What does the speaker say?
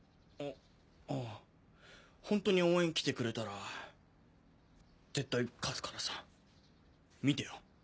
ああぁホントに応援来てくれたら絶対勝つからさ見てよ。